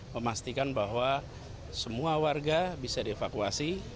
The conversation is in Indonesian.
memastikan bahwa semua warga bisa dievakuasi